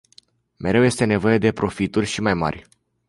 Mereu este nevoie de profituri și mai mari.